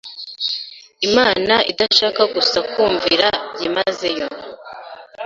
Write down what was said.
Imana idashaka gusa kumvira byimazeyo